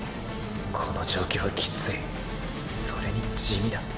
この状況はキツイそれに地味だ。